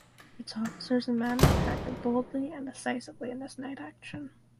Its officers and men acted boldly and decisively in this night action.